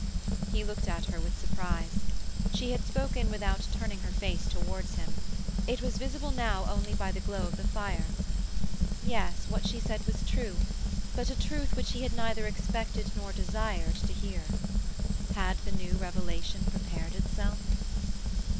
He looked at her with surprise. She had spoken without turning her face towards him; it was visible now only by the glow of the fire. Yes, what she said was true, but a truth which he had neither expected nor desired to hear. Had the new revelation prepared itself?